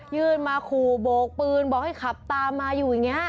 ยื่นมาขู่โบกปืนบอกให้ขับตามมาอยู่อย่างนี้